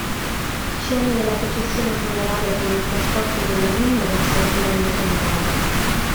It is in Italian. Scene della processione funeraria con il trasporto della mummia verso la piramide tombale.